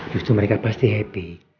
justru mereka pasti happy